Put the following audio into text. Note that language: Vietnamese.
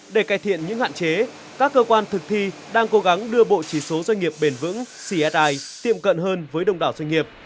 để cải thiện những hạn chế các cơ quan thực thi đang cố gắng đưa bộ chỉ số doanh nghiệp bền vững csi tiệm cận hơn với đông đảo doanh nghiệp